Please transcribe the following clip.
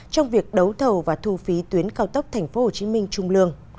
trong việc đấu thầu và thu phí tuyến cao tốc tp hcm trung lương